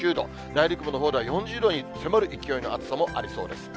内陸部のほうでは４０度に迫る勢いの暑さもありそうです。